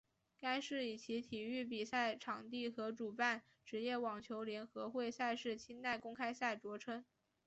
该市以其体育比赛场地和主办职业网球联合会赛事清奈公开赛着称。